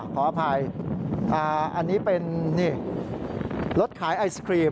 ขออภัยอันนี้เป็นรถขายไอศครีม